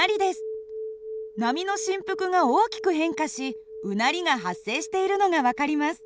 波の振幅が大きく変化しうなりが発生しているのが分かります。